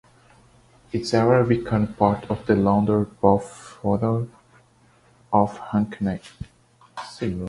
Its area became part of the London Borough of Hackney.